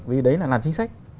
vì đấy là làm chính sách